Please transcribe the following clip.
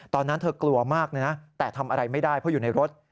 ตอนนั้นเธอกลัวมากเลยนะแต่ทำอะไรไม่ได้เพราะอยู่ในรถ